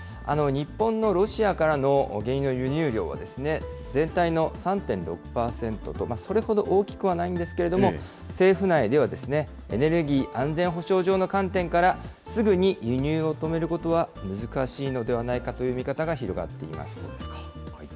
日本のロシアからの原油輸入量は、全体の３．６％と、それほど大きくはないんですけれども、政府内ではエネルギー安全保障上の観点から、すぐに輸入を止めることは難しいのではないかという見方が広がっています。